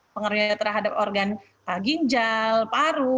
pengaruhnya terhadap organ ginjal paru